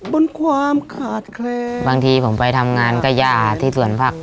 บางทีผมไปทำงานกระยะที่ส่วนผัก